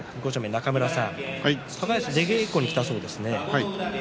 中村さん、高安が出稽古に来たそうですね。